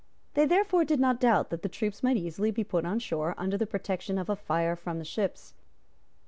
They therefore did not doubt that their troops might easily be put on shore under the protection of a fire from the ships.